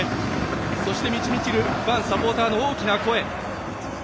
そして満ちるファン、サポーターの大きな声。